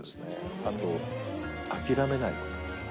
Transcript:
あと、諦めないこと。